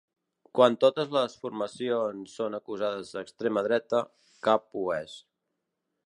Quan totes les formacions són acusades d’extrema dreta, cap ho és.